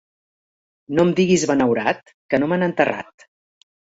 No em diguis benaurat, que no m'han enterrat.